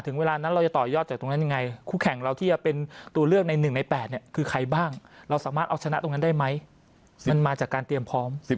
๑ใน๘คือใครบ้างเราสามารถเอาชนะตรงนั้นได้ไหมมันมาจากการเตรียมพร้อม